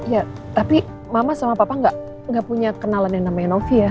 ya tapi mama sama papa gak punya kenalan yang namanya novia